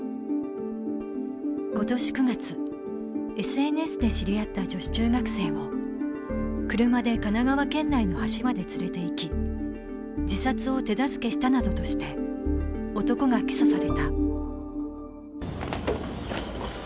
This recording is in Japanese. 今年９月、ＳＮＳで知り合った女子中学生を車で神奈川県内の橋まで連れていき自殺を手助けしたなどとして男が起訴された。